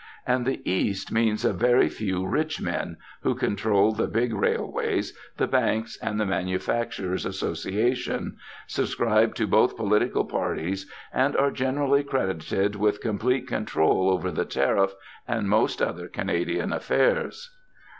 And the East means a very few rich men, who control the big railways, the banks, and the Manufacturers' Association, subscribe to both political parties, and are generally credited with complete control over the Tariff and most other Canadian affairs.